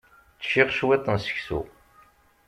Ččiɣ cwiṭ n seksu.